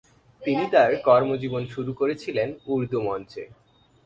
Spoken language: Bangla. তিনি তার কর্মজীবন শুরু করেছিলেন উর্দু মঞ্চে।